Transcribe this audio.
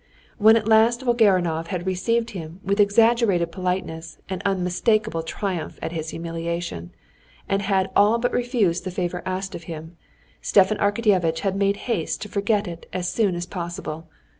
When at last Volgarinov had received him with exaggerated politeness and unmistakable triumph at his humiliation, and had all but refused the favor asked of him, Stepan Arkadyevitch had made haste to forget it all as soon as possible.